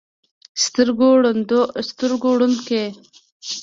سترګو ړوند کړ.